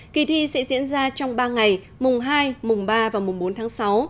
kỳ thi sẽ diễn ra trong ba ngày mùng hai mùng ba và mùng bốn tháng sáu